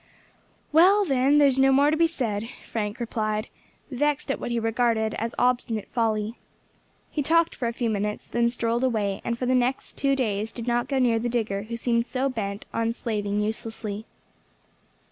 "Well, then, there's no more to be said," Frank replied, vexed at what he regarded as obstinate folly. He talked for a few minutes, and then strolled away, and for the next two days did not go near the digger who seemed so bent on slaving uselessly.